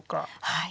はい。